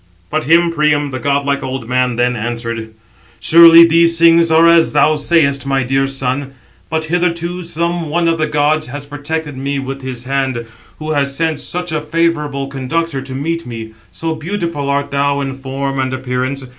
But him Priam, the godlike old man, then answered: "Surely these things are as thou sayest, my dear son. But hitherto some one of the gods has protected me with his hand, who has sent such a favourable conductor to meet me, so beautiful art thou in form and appearance.